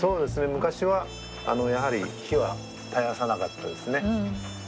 昔はやはり火は絶やさなかったですね。